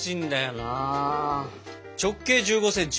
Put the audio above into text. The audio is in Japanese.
直径１５ｃｍ。